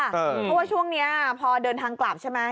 เพราะว่าช่วงนี้พอเดินทางกลับใช่ไหม